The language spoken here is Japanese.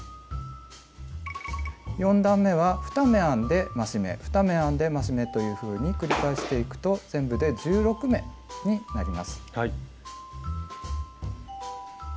４段めは２目編んで増し目２目編んで増し目というふうに繰り返していくと全部で１６目になります。